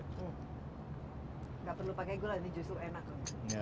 tidak perlu pakai gula ini justru enak